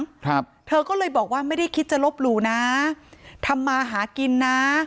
ครับเธอก็เลยบอกว่าไม่ได้คิดจะลบหลู่นะทำมาหากินนะ